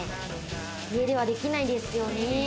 家ではできないですよね。